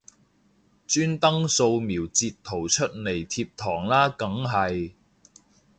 專登掃瞄截圖出嚟貼堂啦梗係